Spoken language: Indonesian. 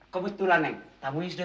selesai isn pesan pak